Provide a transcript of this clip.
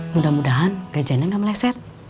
mudah mudahan gajahnya nggak meleset